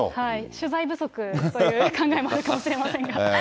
取材不足という考えもあるかもしれませんが。